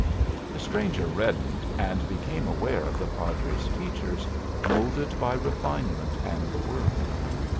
The stranger reddened, and became aware of the padre's features, moulded by refinement and the world.